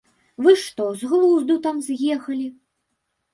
Вы што, з глузду там з'ехалі?